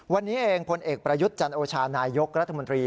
วันนี้เองพลเอกประยุทธ์จันโอชานายกรัฐมนตรี